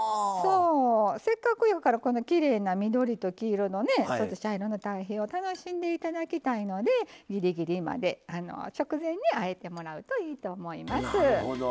せっかく、きれいな緑と黄色と茶色の対比を楽しんでいただきたいのでぎりぎりまで直前にあえていただくといいと思います。